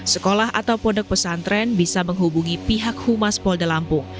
sekolah atau pondok pesantren bisa menghubungi pihak humas polda lampung